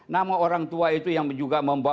nama orang tua itu yang juga membawa